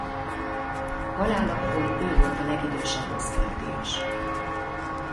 Halálakor ő volt a legidősebb Oscar-díjas.